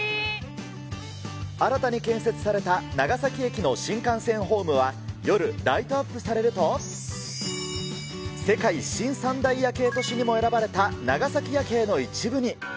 新たに建設された、長崎駅の新幹線ホームは、夜ライトアップされると、世界新三大夜景都市にも選ばれた長崎夜景の一部に。